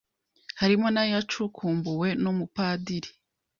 harimo n’ayacukumbuwe n’Umupadiri